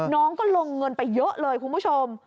น้องก็ลงเงินไปเยอะเลยคุณผู้ชม